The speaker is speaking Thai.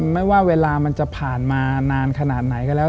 ไม่ว่าเวลามันจะผ่านมานานขนาดไหนก็แล้ว